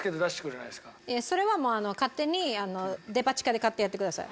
いやそれはもう勝手にデパ地下で買ってやってください。